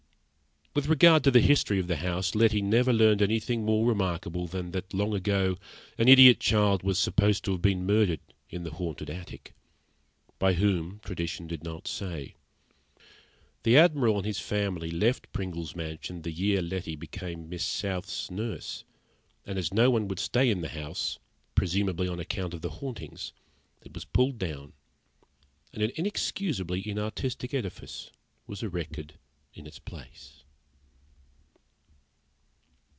With regard the history of the house, Letty never learned anything more remarkable than that, long ago, an idiot child was supposed to have been murdered in the haunted attic by whom, tradition did not say. The Admiral and his family left Pringle's Mansion the year Letty became Miss South's nurse, and as no one would stay in the house, presumably on account of the hauntings, it was pulled down, and an inexcusably inartistic edifice was erected in its place.